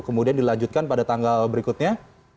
kemudian dilanjutkan pada tanggal berikutnya